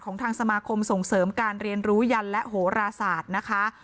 ลองฟังเสียงดูค่ะ